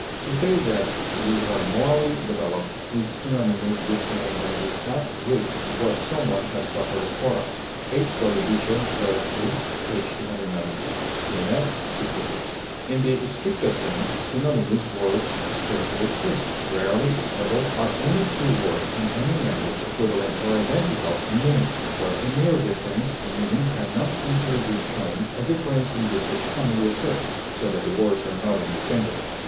To say that we are morally developed is synonymous with saying that we have reaped what some one has suffered for us. H. W. BEECHER Royal Truths p. 294. [T. & F. '66.] In the strictest sense, synonymous words scarcely exist; rarely, if ever, are any two words in any language equivalent or identical in meaning; where a difference in meaning can not easily be shown, a difference in usage commonly exists, so that the words are not interchangeable.